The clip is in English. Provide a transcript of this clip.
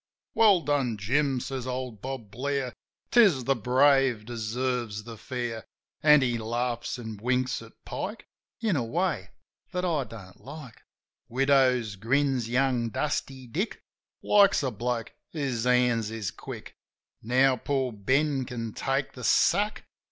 "Well done, Jim," says old Bob Blair. " 'Tis the brave deserves the fair." A FREAK OF SPRING 35 An' he laughs an' winks at Pike In a way that I don't like. "Widders," grins young Dusty Dick, "Likes a bloke whose hands is quick. Now poor Ben can take the sack.''